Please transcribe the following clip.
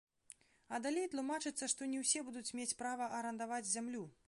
А далей тлумачыцца, што не ўсе будуць мець права арандаваць зямлю.